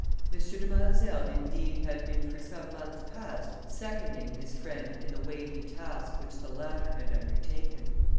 M. de Malesherhes, indeed, had been for some months past seconding his friend in the weighty task which the latter had undertaken.